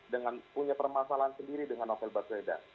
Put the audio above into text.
dengan punya permasalahan sendiri dengan novel baswedan